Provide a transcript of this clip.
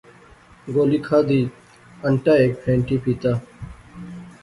گولی کھادی، انٹا ہیک پھینٹی پی تہ